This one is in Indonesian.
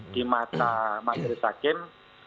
di mata maklis hakim